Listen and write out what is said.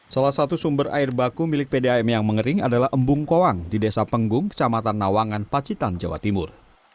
salah satu sumber air baku milik pdam yang mengering adalah embung kowang di desa penggung kecamatan nawangan pacitan jawa timur